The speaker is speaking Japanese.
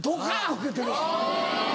ウケてるわ。